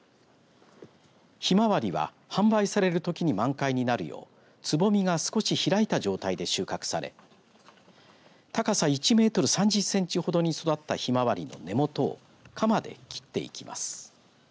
ひまわりは販売されるときに満開になるようつぼみが少し開いた状態で収穫され高さ１メートル３０センチほどに育ったひまわりの根元を鎌で切っていきます。